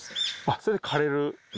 あっそれで枯れる？